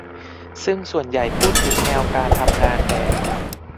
ซึ่งส่วนใหญ่พูดถึงแนวการทำงานแบบ